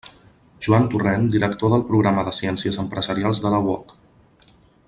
Joan Torrent, director del programa de Ciències Empresarials de la UOC.